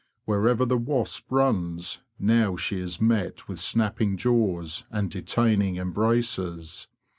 Wherever the wasp runs now she is met with snapping jaws and detaining embraces.